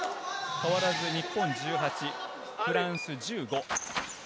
変わらず日本１８、フランス１５。